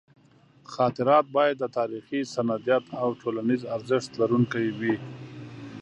خاطرات باید د تاریخي سندیت او ټولنیز ارزښت لرونکي وي.